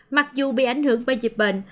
mặc dù bị ảnh hưởng bởi dịch bệnh